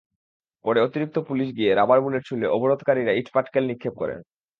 পরে অতিরিক্ত পুলিশ গিয়ে রাবার বুলেট ছুড়লে অবরোধকারীরা ইটপাটকেল নিক্ষেপ করেন।